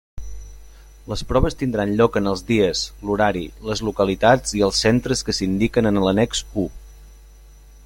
Les proves tindran lloc en els dies, l'horari, les localitats i els centres que s'indiquen en l'annex u.